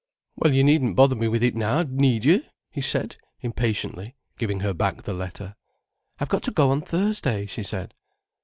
"Well, you needn't bother me with it now, need you?' he said impatiently, giving her back the letter. "I've got to go on Thursday," she said.